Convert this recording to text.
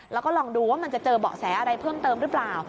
แล้วก็ลองดูว่ามันจะเจอเบาะแสอะไรเพิ่มเติมหรือเปล่า